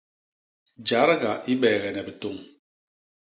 Jadga i beegene bitôñ.